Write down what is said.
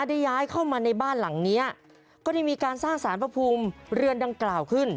ได้ย้ายเข้ามาในบ้านหลังเนี้ยก็ได้มีการสร้างสารพระภูมิเรือนดังกล่าวขึ้น